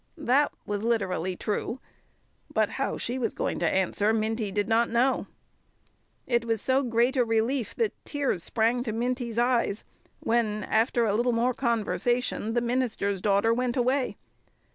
That was literally true; but how she was going to answer, Minty did not know. It was so great a relief that tears sprang to Minty's eyes when, after a little more conversation, the minister's daughter went away.